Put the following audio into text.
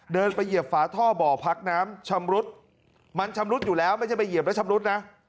เดินไปเหยียบฝาท่อบ่อพักน้ำชำรุดมันชำรุดอยู่แล้วไม่ใช่ไปเหยียบแล้วชำรุดนะ